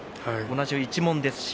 同じ一門です。